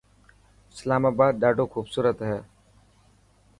اسلاما آباد ڏاڌو خوبصورت هي.